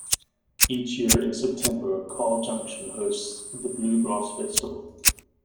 Each year in September, Carl Junction hosts the Bluegrass Festival.